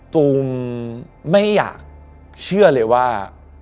ตูมไม่อยากเชื่อเลยว่า